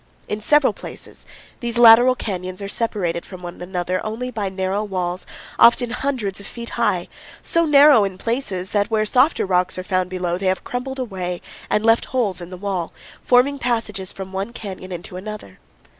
In several places these lateral canyons are separated from one another only by narrow walls, often hundreds of feet high, so narrow in places that where softer rocks are found below they have crumbled away and left holes in the wall, forming passages from one canyon into another.